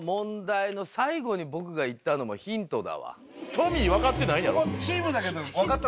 トミー分かってないやろ？